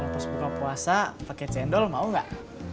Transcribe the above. pas buka puasa pake cendol mau gak